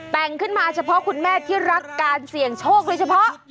แต่งขึ้นมาเฉพาะคุณแม่ที่รักการเสี่ยงโชคโดยเฉพาะ